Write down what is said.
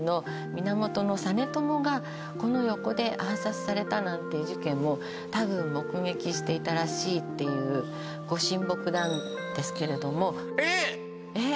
源実朝がこの横で暗殺されたなんていう事件もたぶん目撃していたらしいっていうご神木なんですけれどもえっ！